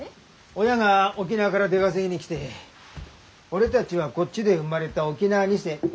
親が沖縄から出稼ぎに来て俺たちはこっちで生まれた沖縄二世。